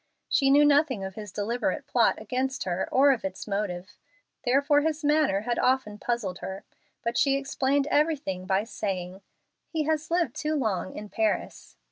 She knew nothing of his deliberate plot against her, or of its motive. Therefore his manner had often puzzled her, but she explained everything by saying, "He has lived too long in Paris."